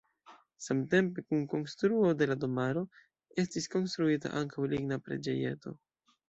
Samtempe kun konstruo de la domaro estis konstruita ankaŭ ligna preĝejeto.